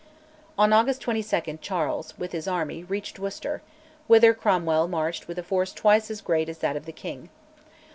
On August 22 Charles, with his army, reached Worcester, whither Cromwell marched with a force twice as great as that of the king.